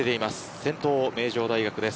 先頭、名城大学です。